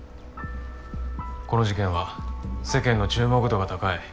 この事件は世間の注目度が高い。